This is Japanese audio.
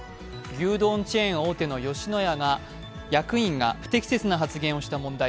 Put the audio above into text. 牛丼チェーン大手の吉野家が、役員が不適切な発言をした問題。